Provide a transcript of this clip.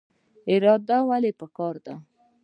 اراده ولې پکار ده؟